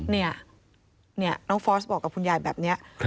เนี่ยน้องฟอสบอกกับคุณยายแบบนี้